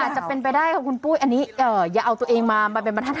อาจจะเป็นไปได้ค่ะคุณปุ้ยอันนี้อย่าเอาตัวเองมามาเป็นบรรทัศน